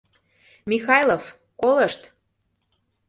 — Михайлов, колышт!